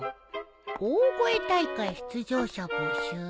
「大声大会出場者募集」